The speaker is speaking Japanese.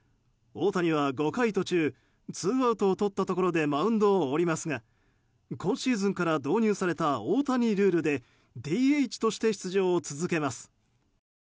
大谷は５回途中ツーアウトをとったところでマウンドを降りますが今シーズンから導入された大谷ルールでＤＨとして出場を続けます。